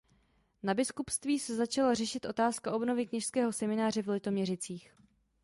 Na biskupství se začala řešit otázka obnovy kněžského semináře v Litoměřicích.